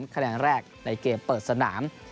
คะแนนแรกในเกมเปิดสนาม